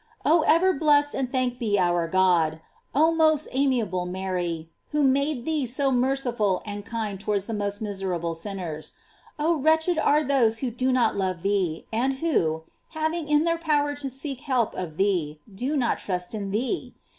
J Oh t .r '_".,,::::.:'. I '..: G .. i ::.^ amiable Mary, who made thee so merciful and kind towards ihe most misoable sinners. Ob, wretched are those who do not love thee, and who, having it in their power to seek help of ftoc, do not trust in thee!